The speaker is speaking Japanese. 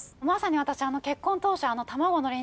まさに私結婚当初。